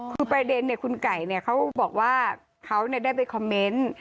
คือประเด็นคุณไก่เขาบอกว่าเขาได้ไปคอมเมนต์